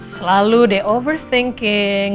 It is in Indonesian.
selalu deh overthinking